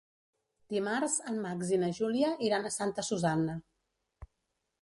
Dimarts en Max i na Júlia iran a Santa Susanna.